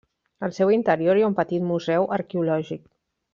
Al seu interior hi ha un petit museu arqueològic.